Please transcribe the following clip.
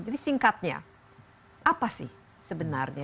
jadi singkatnya apa sih sebenarnya